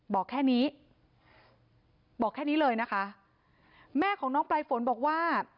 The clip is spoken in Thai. บอกแค่นี้เลยนะคะแม่ของน้องปลายฝนบอกว่า